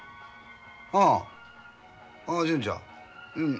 ああ純ちゃん。